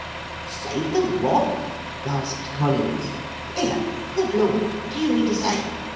"Save the what?" gasped Collins. "Here! Good Lord! Do you mean to say